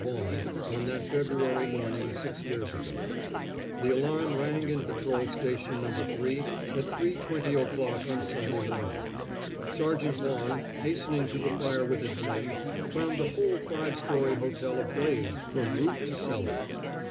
Vaughan on that February morning six years ago. The alarm rang in patrol station No. 3 at 3:20 o'clock on Sunday morning. Sergeant Vaughan, hastening to the fire with his men, found the whole five story hotel ablaze from roof to cellar.